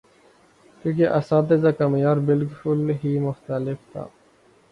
کیونکہ اساتذہ کا معیار بالکل ہی مختلف تھا۔